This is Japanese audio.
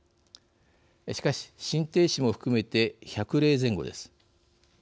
しかし、心停止も含めて１００例前後です。